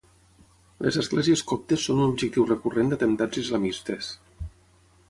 Les esglésies coptes són un objectiu recurrent d’atemptats islamistes.